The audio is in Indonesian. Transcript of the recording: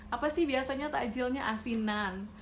apa sih biasanya takjilnya asinan